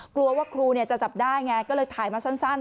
กลัวว่าครูจะจับได้ไงก็เลยถ่ายมาสั้น